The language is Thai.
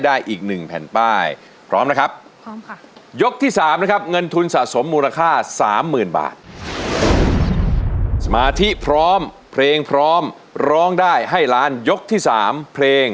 และเพราะแต่เปิดพระมันกังพระมันกัง